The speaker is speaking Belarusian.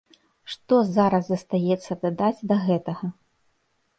Што зараз застаецца дадаць да гэтага?